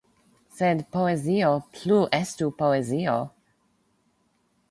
Sed poezio plu estu poezio.